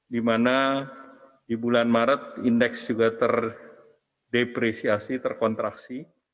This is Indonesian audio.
dimana di bulan maret indeks juga terdepresiasi terkontraksi